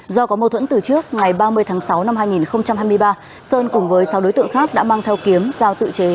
do có mâu thuẫn từ trước ngày ba mươi tháng sáu năm hai nghìn hai mươi ba sơn cùng với sáu đối tượng khác đã mang theo kiếm giao tự chế